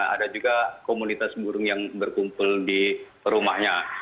ada juga komunitas burung yang berkumpul di rumahnya